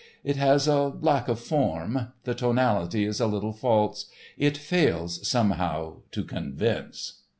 It has a lack of form; the tonality is a little false. It fails somehow to convince."